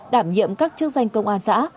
đảm nhiệm các chức danh công an xã